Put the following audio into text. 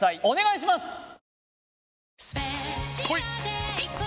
お願いします！